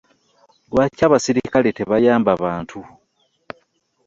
Lwaki abasirikale tebayamba bantu?